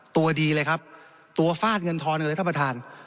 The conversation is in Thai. ตัวดีเลยครับตัวฟาดเงินทอนกันเลยท่านประธาน